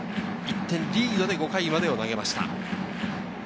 １点リードで５回までを投げました。